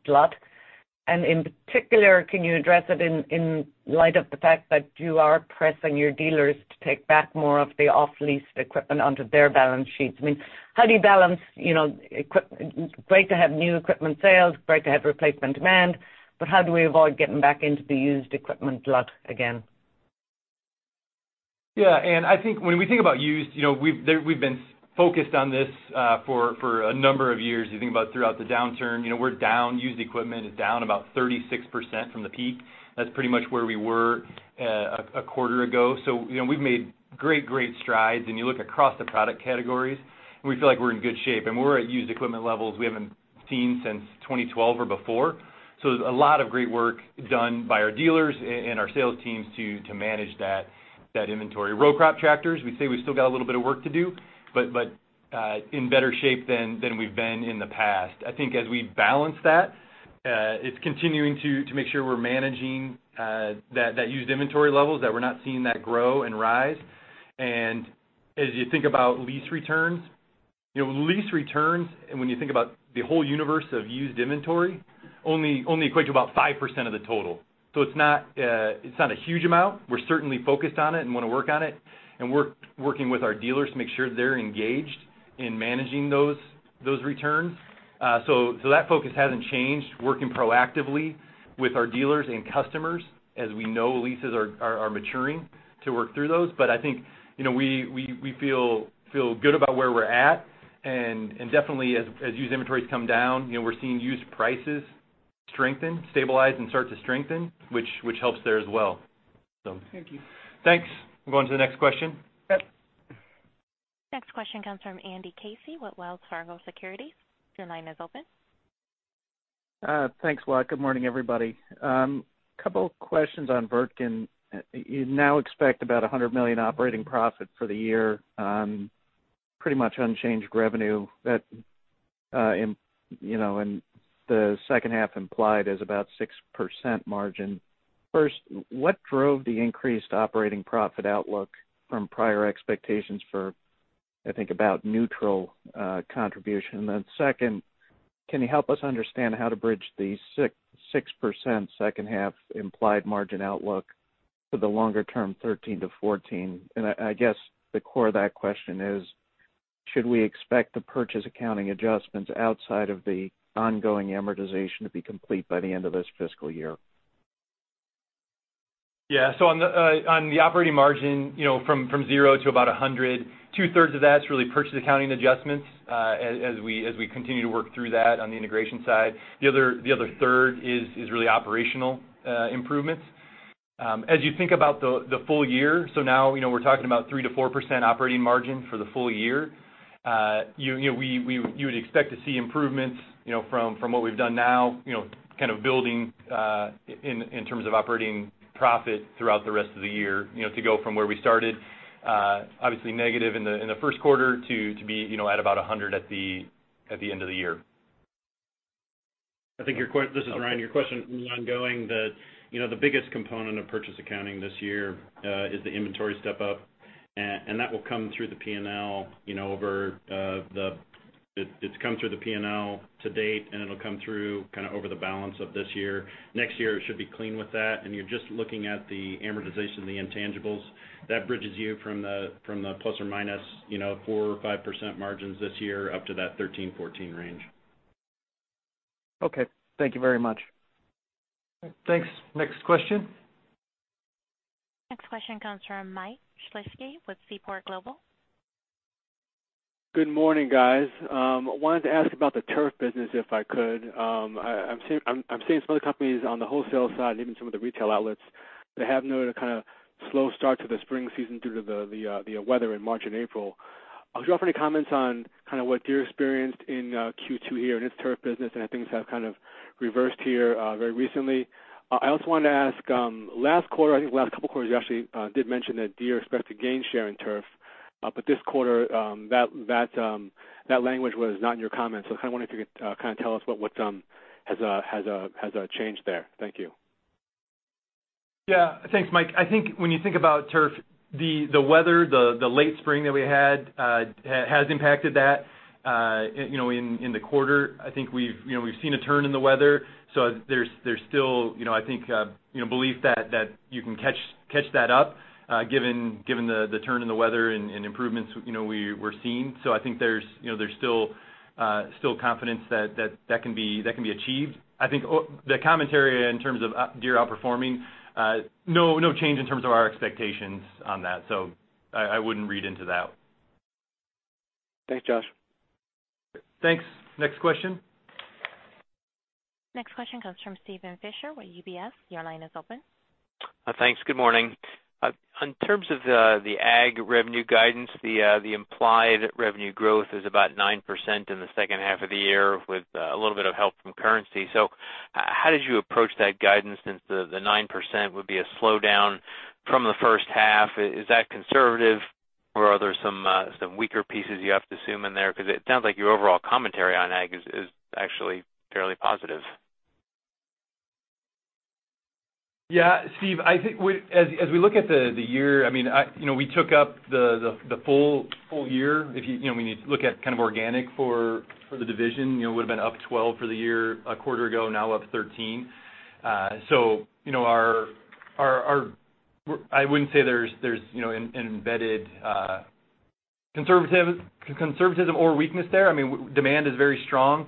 glut? In particular, can you address it in light of the fact that you are pressing your dealers to take back more of the off-lease equipment onto their balance sheets? How do you balance, great to have new equipment sales, great to have replacement demand, but how do we avoid getting back into the used equipment glut again? Ann, I think when we think about used, we've been focused on this for a number of years. You think about throughout the downturn. We're down. Used equipment is down about 36% from the peak. That's pretty much where we were a quarter ago. We've made great strides and you look across the product categories, and we feel like we're in good shape. We're at used equipment levels we haven't seen since 2012 or before. There's a lot of great work done by our dealers and our sales teams to manage that inventory. Row crop tractors, we say we've still got a little bit of work to do, but in better shape than we've been in the past. I think as we balance that, it's continuing to make sure we're managing that used inventory levels, that we're not seeing that grow and rise. As you think about lease returns. Lease returns, and when you think about the whole universe of used inventory, only equate to about 5% of the total. It's not a huge amount. We're certainly focused on it and want to work on it, and working with our dealers to make sure they're engaged in managing those returns. That focus hasn't changed, working proactively with our dealers and customers, as we know leases are maturing to work through those. I think we feel good about where we're at and definitely as used inventories come down, we're seeing used prices strengthen, stabilize and start to strengthen, which helps there as well. Thank you. Thanks. We'll go on to the next question. Yep. Next question comes from Andy Casey with Wells Fargo Securities. Your line is open. Thanks, Walt. Good morning, everybody. Couple questions on Wirtgen. You now expect about $100 million operating profit for the year on pretty much unchanged revenue. The second half implied is about 6% margin. First, what drove the increased operating profit outlook from prior expectations for, I think, about neutral contribution? Second, can you help us understand how to bridge the 6% second half implied margin outlook for the longer term 13%-14%? I guess the core of that question is, should we expect the purchase accounting adjustments outside of the ongoing amortization to be complete by the end of this fiscal year? On the operating margin from 0 to about $100 million, two-thirds of that's really purchase accounting adjustments as we continue to work through that on the integration side. The other third is really operational improvements. As you think about the full year, now we're talking about 3%-4% operating margin for the full year. You would expect to see improvements from what we've done now, kind of building in terms of operating profit throughout the rest of the year to go from where we started, obviously negative in the first quarter to be at about $100 million at the end of the year. This is Ryan. Your question is ongoing that the biggest component of purchase accounting this year is the inventory step-up, that will come through the P&L to date, it'll come through kind of over the balance of this year. Next year, it should be clean with that. You're just looking at the amortization of the intangibles. That bridges you from the ±4% or 5% margins this year up to that 13%-14% range. Okay. Thank you very much. Thanks. Next question. Next question comes from Michael Shlisky with Seaport Global. Good morning, guys. I wanted to ask about the turf business, if I could. I'm seeing some other companies on the wholesale side and even some of the retail outlets that have noted a kind of slow start to the spring season due to the weather in March and April. I was wondering if you have any comments on what Deere experienced in Q2 here in its turf business, and if things have reversed here very recently. I also wanted to ask, last quarter, I think last couple of quarters, you actually did mention that Deere expects to gain share in turf. This quarter, that language was not in your comments. I wondered if you could tell us what has changed there. Thank you. Yeah. Thanks, Mike. I think when you think about turf, the weather, the late spring that we had, has impacted that in the quarter. I think we've seen a turn in the weather, so there's still belief that you can catch that up given the turn in the weather and improvements we're seeing. I think there's still confidence that that can be achieved. I think the commentary in terms of Deere outperforming, no change in terms of our expectations on that. I wouldn't read into that. Thanks, Josh. Thanks. Next question. Next question comes from Steven Fisher with UBS. Your line is open. Thanks. Good morning. In terms of the ag revenue guidance, the implied revenue growth is about 9% in the second half of the year with a little bit of help from currency. How did you approach that guidance since the 9% would be a slowdown from the first half? Is that conservative, or are there some weaker pieces you have to assume in there? Because it sounds like your overall commentary on ag is actually fairly positive. Yeah. Steve, I think as we look at the year, we took up the full year. When you look at organic for the division, it would've been up 12 for the year a quarter ago, now up 13. I wouldn't say there's an embedded conservatism or weakness there. Demand is very strong,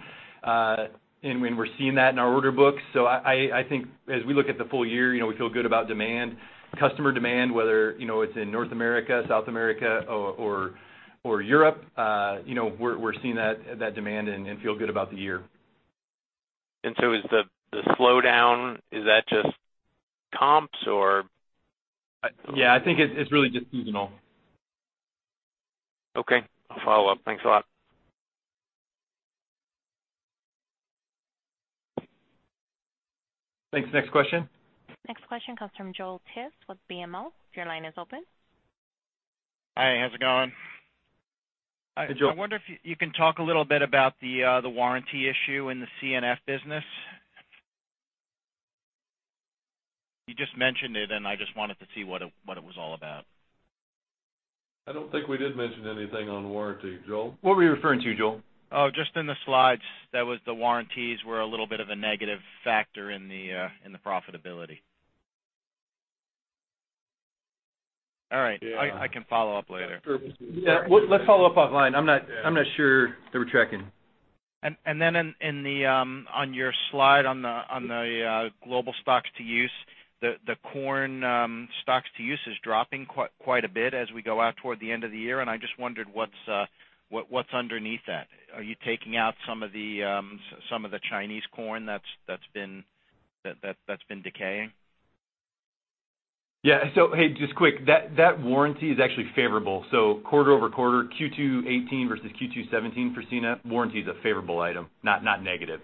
and we're seeing that in our order books. I think as we look at the full year, we feel good about demand. Customer demand, whether it's in North America, South America, or Europe, we're seeing that demand and feel good about the year. The slowdown, is that just comps or? Yeah, I think it's really just seasonal. Okay. I'll follow up. Thanks a lot. Thanks. Next question. Next question comes from Joel Jackson with BMO. Your line is open. Hi, how's it going? Hi, Joel. I wonder if you can talk a little bit about the warranty issue in the CNF business. You just mentioned it, I just wanted to see what it was all about. I don't think we did mention anything on warranty, Joel. What were you referring to, Joel? Oh, just in the slides, that was the warranties were a little bit of a negative factor in the profitability. All right. Yeah. I can follow up later. Let's follow up offline. I'm not sure that we're tracking. On your slide on the global stocks-to-use, the corn stocks-to-use is dropping quite a bit as we go out toward the end of the year, and I just wondered what's underneath that. Are you taking out some of the Chinese corn that's been decaying? Yeah, hey, just quick, that warranty is actually favorable. Quarter-over-quarter, Q2 2018 versus Q2 2017 for CNF, warranty is a favorable item, not negative.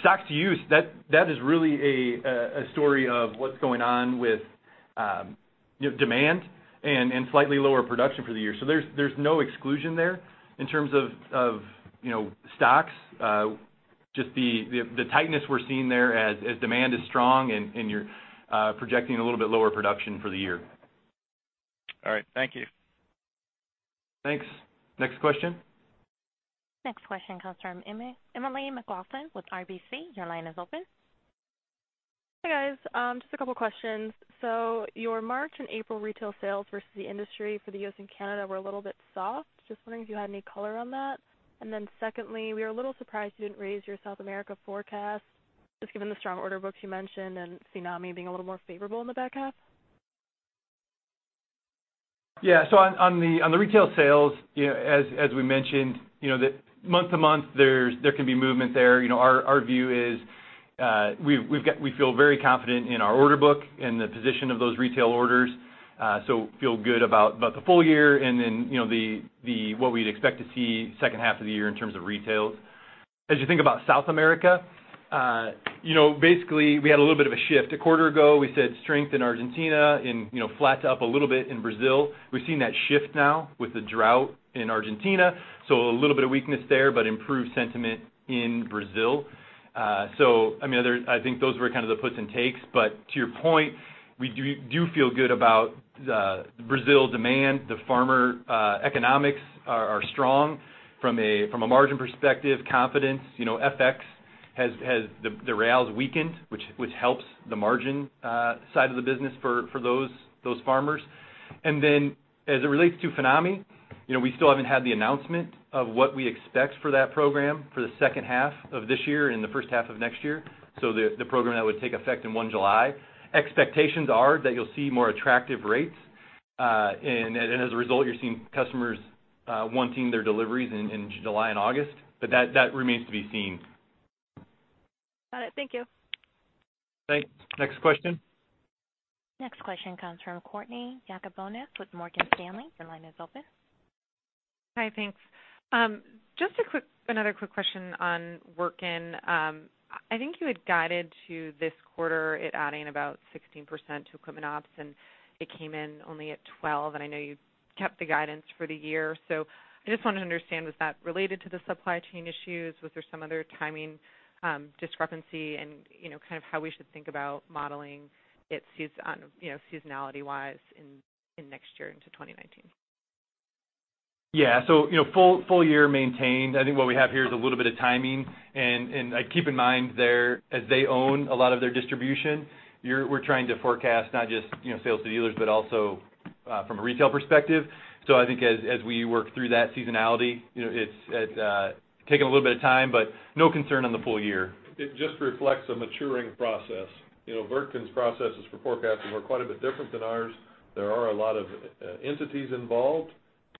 stocks-to-use, that is really a story of what's going on with demand and slightly lower production for the year. There's no exclusion there in terms of stocks. Just the tightness we're seeing there as demand is strong and you're projecting a little bit lower production for the year. All right. Thank you. Thanks. Next question. Next question comes from Emily McLaughlin with RBC. Your line is open. Hi, guys. Just a couple of questions. Your March and April retail sales versus the industry for the U.S. and Canada were a little bit soft. Just wondering if you had any color on that. Secondly, we were a little surprised you didn't raise your South America forecast, just given the strong order books you mentioned and Finame being a little more favorable in the back half. Yeah. On the retail sales, as we mentioned, month-to-month, there can be movement there. Our view is we feel very confident in our order book and the position of those retail orders, so feel good about the full year and then what we'd expect to see second half of the year in terms of retails. As you think about South America, basically we had a little bit of a shift. A quarter ago, we said strength in Argentina and flat to up a little bit in Brazil. We've seen that shift now with the drought in Argentina. A little bit of weakness there, but improved sentiment in Brazil. I think those were kind of the puts and takes. To your point, we do feel good about Brazil demand. The farmer economics are strong from a margin perspective, confidence. FX, the Real has weakened, which helps the margin side of the business for those farmers. As it relates to Finame, we still haven't had the announcement of what we expect for that program for the second half of this year and the first half of next year, so the program that would take effect in July 1. Expectations are that you'll see more attractive rates, and as a result, you're seeing customers wanting their deliveries in July and August. That remains to be seen. All right. Thank you. Thanks. Next question. Next question comes from Courtney Yakavonis with Morgan Stanley. Your line is open. Hi. Thanks. Just another quick question on Wirtgen. I think you had guided to this quarter it adding about 16% to equipment ops. It came in only at 12%. I know you kept the guidance for the year. I just wanted to understand, was that related to the supply chain issues? Was there some other timing discrepancy and kind of how we should think about modeling it seasonality-wise in next year into 2019? Full year maintained. I think what we have here is a little bit of timing and keep in mind as they own a lot of their distribution, we're trying to forecast not just sales to dealers, but also from a retail perspective. I think as we work through that seasonality, it's taking a little bit of time, but no concern on the full year. It just reflects a maturing process. Wirtgen's processes for forecasting were quite a bit different than ours. There are a lot of entities involved.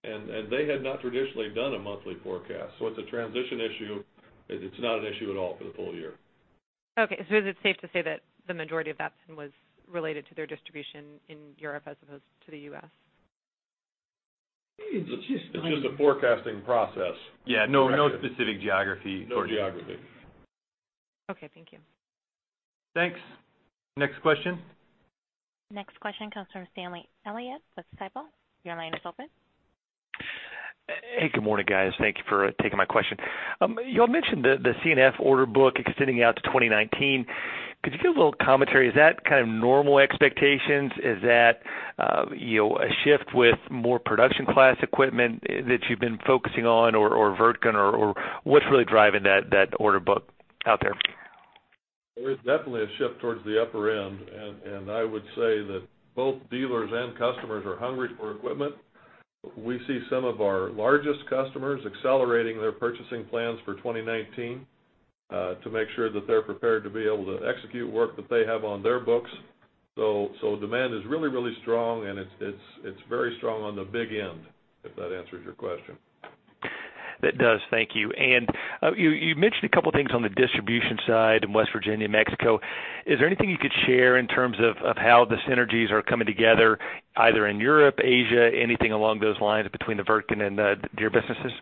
They had not traditionally done a monthly forecast. It's a transition issue. It's not an issue at all for the full year. Okay. Is it safe to say that the majority of that was related to their distribution in Europe as opposed to the U.S.? It's just a forecasting process. Yeah. No specific geography, Courtney. No geography. Okay. Thank you. Thanks. Next question. Next question comes from Stanley Elliott with Stifel. Your line is open. Hey, good morning, guys. Thank you for taking my question. You all mentioned the C&F order book extending out to 2019. Could you give a little commentary? Is that kind of normal expectations? Is that a shift with more production class equipment that you've been focusing on or Wirtgen or what's really driving that order book out there? There is definitely a shift towards the upper end, and I would say that both dealers and customers are hungry for equipment. We see some of our largest customers accelerating their purchasing plans for 2019, to make sure that they're prepared to be able to execute work that they have on their books. Demand is really, really strong, and it's very strong on the big end, if that answers your question. That does. Thank you. You mentioned a couple things on the distribution side in West Virginia, Mexico. Is there anything you could share in terms of how the synergies are coming together, either in Europe, Asia, anything along those lines between the Wirtgen and Deere businesses?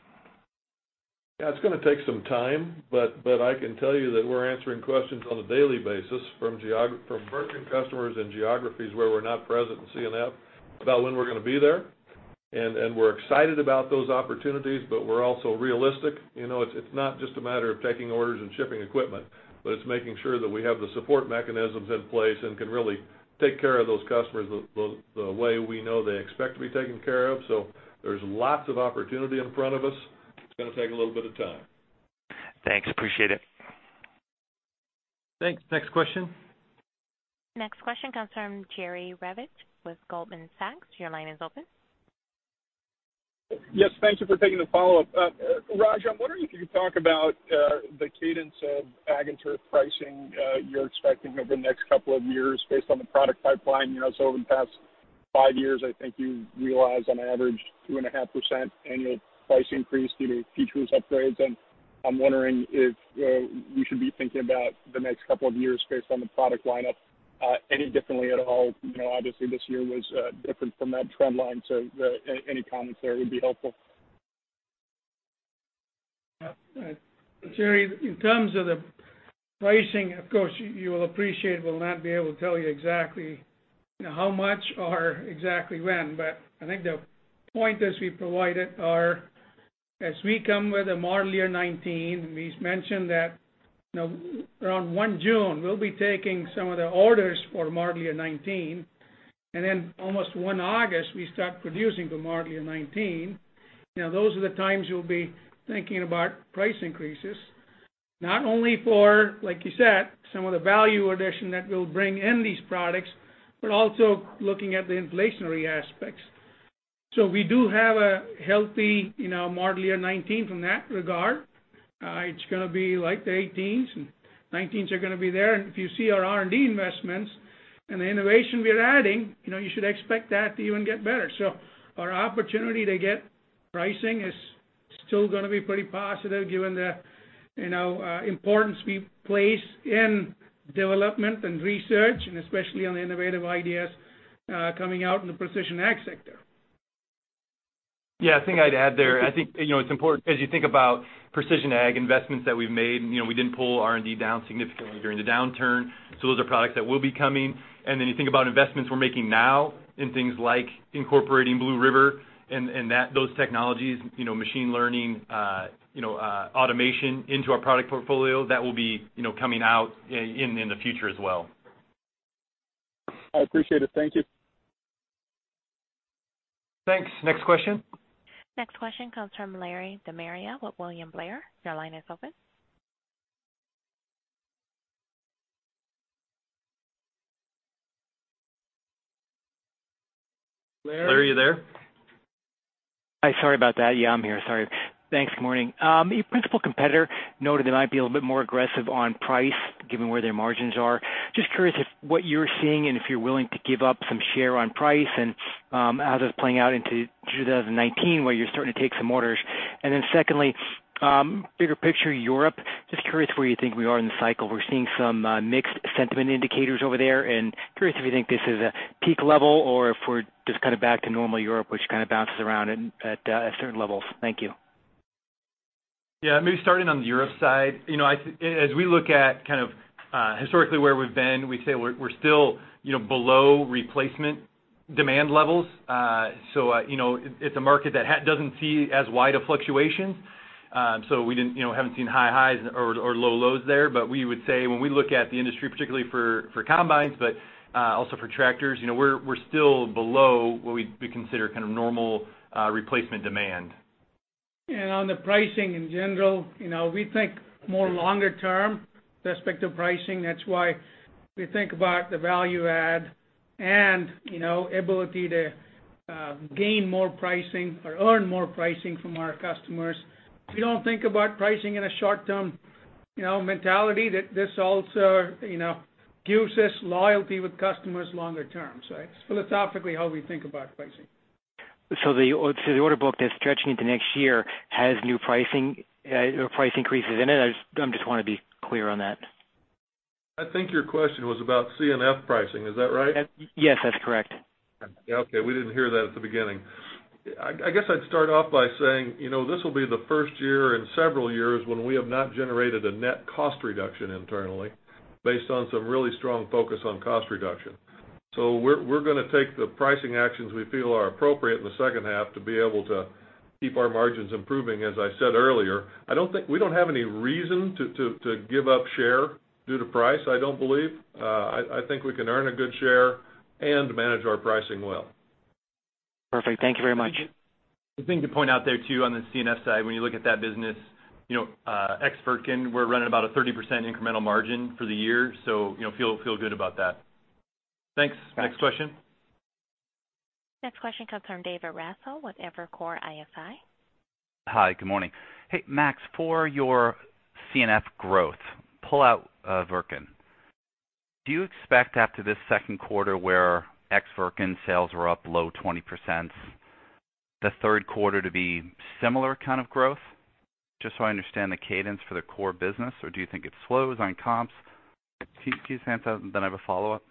It's going to take some time, but I can tell you that we're answering questions on a daily basis from Wirtgen customers in geographies where we're not present in C&F about when we're going to be there. We're excited about those opportunities, but we're also realistic. It's not just a matter of taking orders and shipping equipment, but it's making sure that we have the support mechanisms in place and can really take care of those customers the way we know they expect to be taken care of. There's lots of opportunity in front of us. It's going to take a little bit of time. Thanks. Appreciate it. Thanks. Next question. Next question comes from Jerry Revich with Goldman Sachs. Your line is open. Yes. Thank you for taking the follow-up. Raj, I'm wondering if you could talk about the cadence of ag and turf pricing you're expecting over the next couple of years based on the product pipeline. Over the past five years, I think you realized on average 2.5% annual price increase due to features upgrades. I'm wondering if we should be thinking about the next couple of years based on the product lineup any differently at all. Obviously, this year was different from that trend line, any comments there would be helpful. Jerry, in terms of the pricing, of course, you will appreciate we will not be able to tell you exactly how much or exactly when, but I think the point as we provided are as we come with the model year 2019, we mentioned that around one June, we will be taking some of the orders for model year 2019, and then almost one August, we start producing the model year 2019. Those are the times you will be thinking about price increases. Not only for, like you said, some of the value addition that will bring in these products, but also looking at the inflationary aspects. We do have a healthy model year 2019 from that regard. It is going to be like the 2018s and 2019s are going to be there. If you see our R&D investments and the innovation we are adding, you should expect that to even get better. Our opportunity to get pricing is still going to be pretty positive given the importance we place in development and research, and especially on the innovative ideas coming out in the precision agriculture sector. Yeah. I think I'd add there, I think it's important as you think about precision ag investments that we've made, we didn't pull R&D down significantly during the downturn. Those are products that will be coming. Then you think about investments we're making now in things like incorporating Blue River and those technologies, machine learning, automation into our product portfolio, that will be coming out in the future as well. I appreciate it. Thank you. Thanks. Next question. Next question comes from Larry DeMaria with William Blair. Your line is open. Larry, are you there? Hi, sorry about that. Yeah, I'm here. Sorry. Thanks. Good morning. A principal competitor noted they might be a little bit more aggressive on price given where their margins are. Just curious if what you're seeing and if you're willing to give up some share on price and how that's playing out into 2019, where you're starting to take some orders. Secondly, bigger picture, Europe. Just curious where you think we are in the cycle. We're seeing some mixed sentiment indicators over there, and curious if you think this is a peak level or if we're just kind of back to normal Europe, which kind of bounces around at certain levels. Thank you. Yeah. Maybe starting on the Europe side. As we look at kind of historically where we've been, we'd say we're still below replacement demand levels. It's a market that doesn't see as wide a fluctuation. We haven't seen high highs or low lows there. We would say when we look at the industry, particularly for combines, but also for tractors, we're still below what we'd consider kind of normal replacement demand. On the pricing in general, we think more longer-term perspective pricing. That's why we think about the value-add and ability to gain more pricing or earn more pricing from our customers. We don't think about pricing in a short-term mentality. That this also gives us loyalty with customers longer term. That's philosophically how we think about pricing. The order book that's stretching into next year has new pricing or price increases in it? I just want to be clear on that. I think your question was about C&F pricing, is that right? Yes, that's correct. Okay. We didn't hear that at the beginning. I guess I'd start off by saying, this will be the first year in several years when we have not generated a net cost reduction internally based on some really strong focus on cost reduction. We're going to take the pricing actions we feel are appropriate in the second half to be able to keep our margins improving, as I said earlier. We don't have any reason to give up share due to price, I don't believe. I think we can earn a good share and manage our pricing well. Perfect. Thank you very much. The thing to point out there, too, on the C&F side, when you look at that business, ex Wirtgen, we're running about a 30% incremental margin for the year, feel good about that. Thanks. Next question. Next question comes from David Raso with Evercore ISI. Hi, good morning. Hey, Max, for your C&F growth, pull out Wirtgen. Do you expect after this second quarter where ex Wirtgen sales were up low 20%, the third quarter to be similar kind of growth? Just so I understand the cadence for the core business, or do you think it slows on comps? Can you speak to that? I have a follow-up.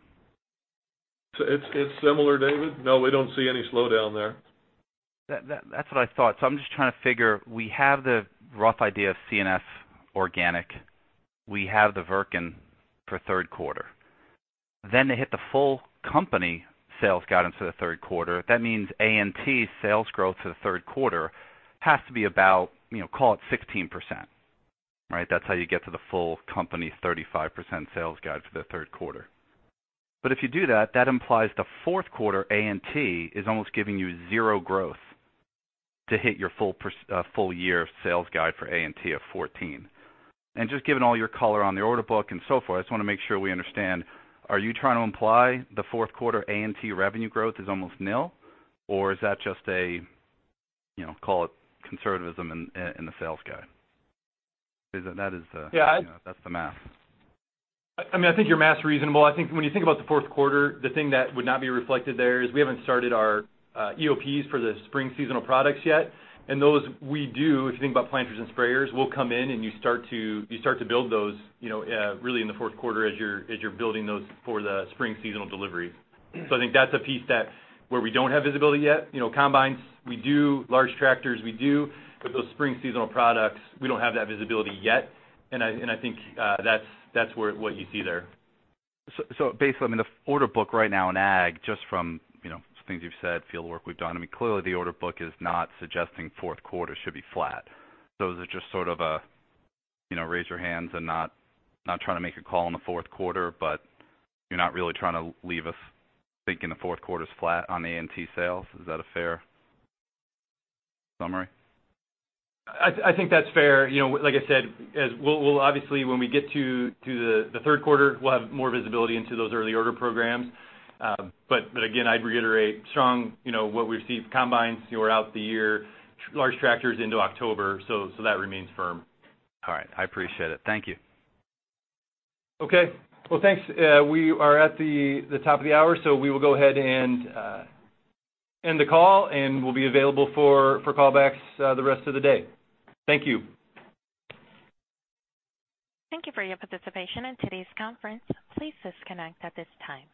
It's similar, David. We don't see any slowdown there. That's what I thought. I'm just trying to figure, we have the rough idea of C&F organic. We have the Wirtgen for third quarter. They hit the full company sales guidance for the third quarter. That means A&T sales growth for the third quarter has to be about, call it 16%. Right? That's how you get to the full company 35% sales guide for the third quarter. If you do that implies the fourth quarter A&T is almost giving you zero growth to hit your full year sales guide for A&T of 14%. Just given all your color on the order book and so forth, I just want to make sure we understand. Are you trying to imply the fourth quarter A&T revenue growth is almost nil, or is that just a, call it conservatism in the sales guide? That's the math. I think your math's reasonable. I think when you think about the fourth quarter, the thing that would not be reflected there is we haven't started our EOPs for the spring seasonal products yet. Those we do, if you think about planters and sprayers, will come in and you start to build those really in the fourth quarter as you're building those for the spring seasonal deliveries. I think that's a piece that where we don't have visibility yet. Combines, we do. Large tractors, we do. Those spring seasonal products, we don't have that visibility yet. I think that's what you see there. Basically, the order book right now in ag, just from things you've said, field work we've done, clearly the order book is not suggesting fourth quarter should be flat. Is it just sort of a raise your hands and not trying to make a call on the fourth quarter, but you're not really trying to leave us thinking the fourth quarter's flat on A&T sales. Is that a fair summary? I think that's fair. Like I said, we'll obviously when we get to the third quarter, we'll have more visibility into those early order programs. Again, I'd reiterate strong what we've seen for combines throughout the year, large tractors into October, so that remains firm. All right. I appreciate it. Thank you. Okay. Well, thanks. We are at the top of the hour, so we will go ahead and end the call, and we'll be available for callbacks the rest of the day. Thank you. Thank you for your participation in today's conference. Please disconnect at this time.